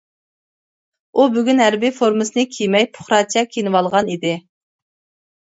ئۇ بۈگۈن ھەربىي فورمىسىنى كىيمەي، پۇقراچە كىيىنىۋالغان ئىدى.